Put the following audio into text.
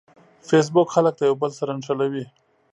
فېسبوک خلک د یوه بل سره نښلوي.